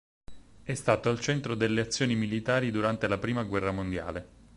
È stato al centro delle azioni militari durante la prima guerra mondiale.